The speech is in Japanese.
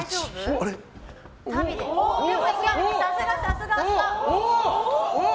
さすが、さすが！